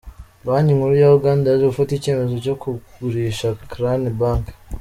Banki Nkuru ya Uganda yaje gufata icyemezo cyo kugurisha Crane Bank.